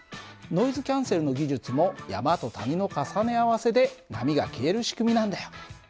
ノイズキャンセルの技術も山と谷の重ね合わせで波が消える仕組みなんだよ。